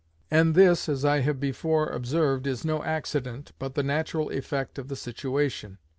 And this, as I have before observed, is no accident, but the natural effect of the situation.